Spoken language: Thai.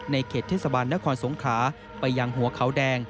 เขตเทศบาลนครสงขลาไปยังหัวเขาแดง